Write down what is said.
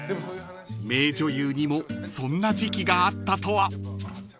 ［名女優にもそんな時期があったとは］